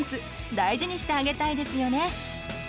大事にしてあげたいですよね！